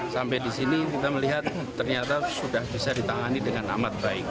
sampai di sini kita melihat ternyata sudah bisa ditangani dengan amat baik